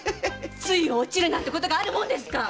「つい落ちる」なんてあるもんですか！